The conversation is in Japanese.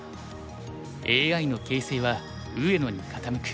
ＡＩの形勢は上野に傾く。